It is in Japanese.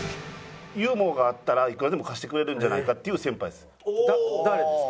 ユーモアがあったらいくらでも貸してくれるんじゃないかっていう先輩です。